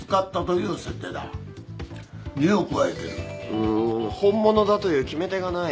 うん本物だという決め手がない。